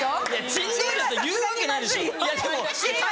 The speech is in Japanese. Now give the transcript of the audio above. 「ちんどい」なんて言うわけないでしょ！